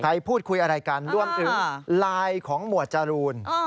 ใครพูดคุยอะไรกันรวมถึงไลน์ของหมวดจรูน